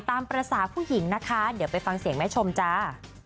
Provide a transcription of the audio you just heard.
ตามภาษาผู้หญิงนะคะเดี๋ยวไปฟังเสียงแม่ชมจ้า